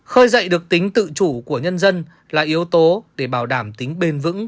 khơi dậy được tính tự chủ của nhân dân là yếu tố để bảo đảm tính bền vững